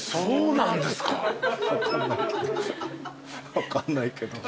分かんないけど。